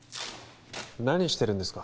何してるんですか？